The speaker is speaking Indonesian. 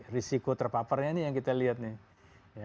risiko terpaparnya ini yang kita lihat nih